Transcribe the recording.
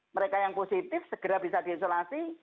mereka yang positif segera bisa diisolasi